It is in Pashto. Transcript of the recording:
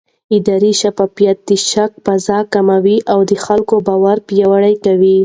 اداري شفافیت د شک فضا کموي او د خلکو باور پیاوړی کوي